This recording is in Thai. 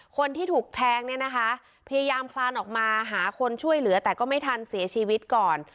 คนที่ถูกแทงเนี่ยนะคะพยายามคลานออกมาหาคนช่วยเหลือแต่ก็ไม่ทันเสียชีวิตก่อน